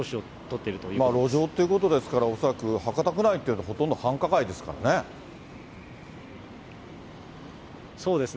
路上っていうことですから、恐らく、博多区内というのは、ほとんど繁華街ですからね。